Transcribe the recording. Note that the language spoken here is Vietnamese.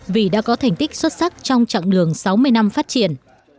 vì đã có thành tích xuất sắc trong chặng đường sáu mươi năm phát triển